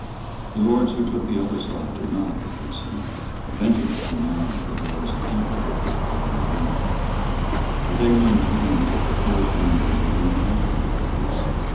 The Lords who took the other side did not, it should seem, venture to deny that there was an evil which required a remedy; but they maintained that the proposed remedy would only aggravate the evil.